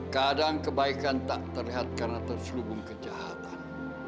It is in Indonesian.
kadang kebaikan tak terlihat karena terselubung kejahatan